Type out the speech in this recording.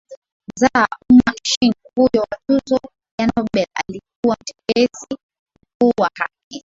za ummaMshindi huyo wa tuzo ya Nobel alikuwa mtetezi mkuu wa haki za